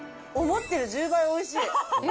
思ってる１０倍おいしい。